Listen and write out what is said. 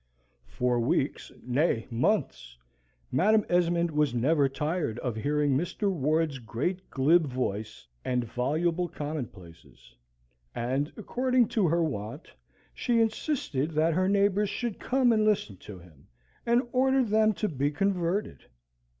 For weeks, nay, months, Madam Esmond was never tired of hearing Mr. Ward's great glib voice and voluble commonplaces: and, according to her wont, she insisted that her neighbours should come and listen to him, and ordered them to be converted.